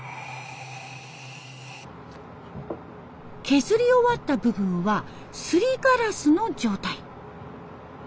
削り終わった部分はすりガラスの状態。